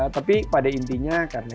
tapi pada intinya karena